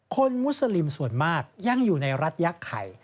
มุสลิมส่วนมากยังอยู่ในรัฐยักษ์ไข่